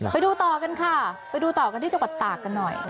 ไปดูต่อกันค่ะหนีจักรตากันหน่อย